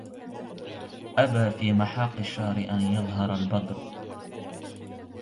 أبى في محاق الشهر أن يظهر البدر